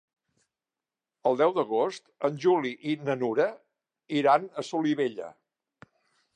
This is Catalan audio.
El deu d'agost en Juli i na Nura iran a Solivella.